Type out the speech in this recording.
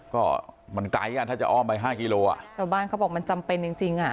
ก็มันไกลอ่ะถ้าจะอ้อมไปห้ากิโลอ่ะชาวบ้านเขาบอกมันจำเป็นจริงจริงอ่ะ